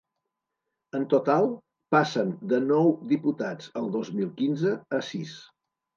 En total, passen de nou diputats el dos mil quinze a sis.